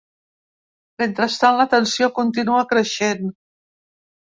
Mentrestant, la tensió continua creixent.